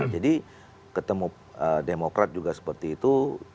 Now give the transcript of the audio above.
jadi ketemu demokrat juga seperti itu